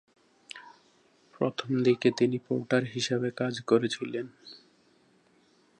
প্রথমদিকে তিনি পোর্টার হিসাবে কাজ করেছিলেন।